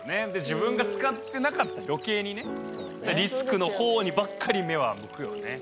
自分が使ってなかったらよけいにねリスクのほうにばっかり目は向くよね。